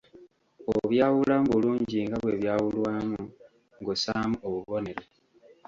Obyawulamu bulungi nga bwe byawulwamu ng'ossaamu obubonero.